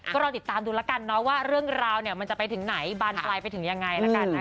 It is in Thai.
ก็รอติดตามดูแล้วกันว่าเรื่องราวมันจะไปถึงไหนบานปลายไปถึงยังไง